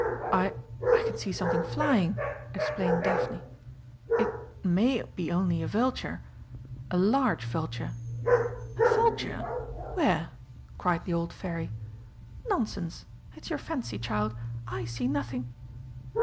"I I can see something flying," explained Daphne. "It may be only a vulture a large vulture." "A vulture where?" cried the old Fairy. "Nonsense. It's your fancy, child. I see nothing."